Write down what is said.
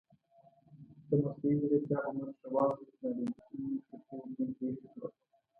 د مصنوعي زیرکتیا په مټ روانو تکنالوژیکي نښتو دوی هېښ کړل.